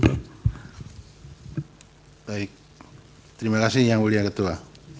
baik terima kasih yang mulia ketua